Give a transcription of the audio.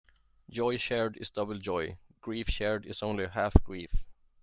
Joy shared is double joy; grief shared is only half grief.